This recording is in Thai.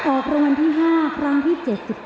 ออกระวังที่๕ครั้งที่๘๑๐